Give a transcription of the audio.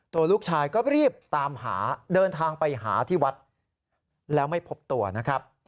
ตัวลูกชายก็รีบตามหาเดินทางไปหาที่วัดแล้วไม่พบตัวนะครับ